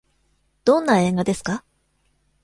どんな映画ですか。